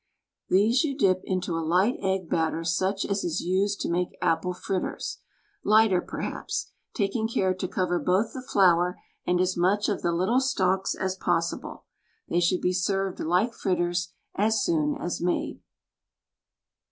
These you dip into a light egg batter such as is used to make apple fritters (lighter, perhaps), taking care to cover both the flower and as much of the little stalks as possible. They should be served like fritters as soon as made.